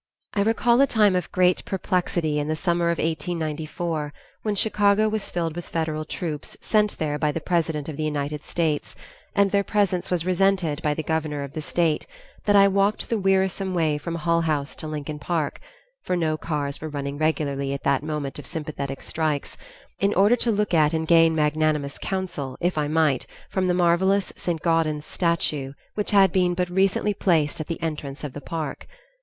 I recall a time of great perplexity in the summer of 1894, when Chicago was filled with federal troops sent there by the President of the United States, and their presence was resented by the governor of the state, that I walked the wearisome way from Hull House to Lincoln Park for no cars were running regularly at that moment of sympathetic strikes in order to look at and gain magnanimous counsel, if I might, from the marvelous St. Gaudens statue which had been but recently been placed at the entrance of the park.